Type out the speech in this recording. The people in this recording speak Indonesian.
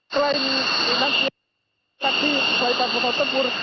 selain enam belas pesawat tempur